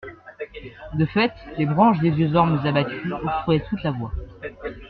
De fait, les branches des vieux ormes abattus obstruaient toute la voie.